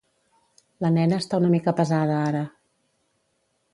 La nena està una mica pesada ara.